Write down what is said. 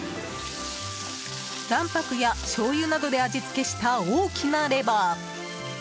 卵白やしょうゆなどで味付けした大きなレバー！